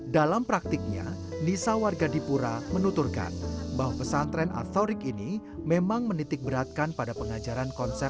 dalam praktiknya nisa warga dipura menuturkan bahwa pesantren atorik ini memang menitikberatkan pada pengajaran konsepnya